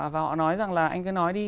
và họ nói rằng là anh cứ nói đi